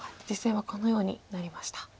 実戦はこのようになりました。